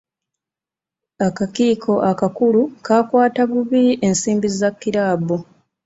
Akakiiko akakulu kaakwata bubi ensimbi za kiraabu.